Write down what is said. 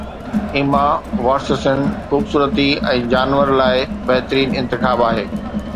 ايما واٽسسن خوبصورتي ۽ جانور لاءِ بهترين انتخاب آهي